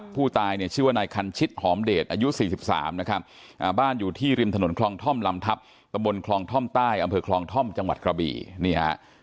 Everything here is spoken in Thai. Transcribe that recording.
ผู้ตายเนี่ยชื่อว่านายคันชิดหอมเดชอายุ๔๓นะครับบ้านอยู่ที่ริมถนนคลองท่อมลำทับตะบนคลองท่อมใต้อำเภอคลองท่อมจังหวัดกระบี่นี่ฮะ